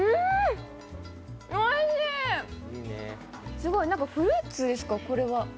すごい、フルーツですか、これは。